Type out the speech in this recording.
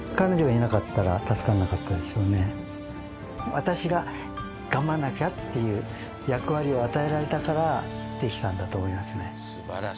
私が頑張んなきゃっていう役割を与えられたからできたんだと思いますね